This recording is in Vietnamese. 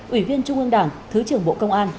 ủy viên trung ương đảng thứ trưởng bộ công an